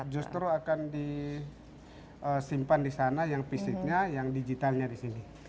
justru akan disimpan di sana yang fisiknya yang digitalnya di sini